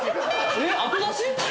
えっ後出し？